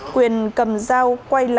quyền cầm dao quay lại